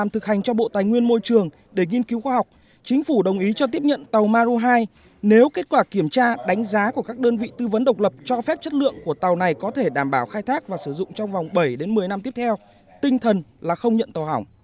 thủ tướng đề nghị bộ chính phủ đề xuất